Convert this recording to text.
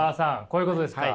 こういうことですか？